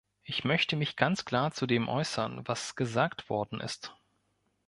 Ich möchte mich ganz klar zu dem äußern, was gesagt worden ist.